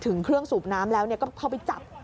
ถึงเครื่องสูบน้ำแล้วก็เข้าไปจับ